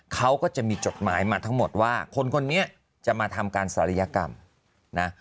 เขาก็จะมีจดหมายมาทั้งหมดว่าคนคนนี้จะมาทำการศัลยกรรมนะ